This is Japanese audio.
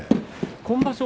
今場所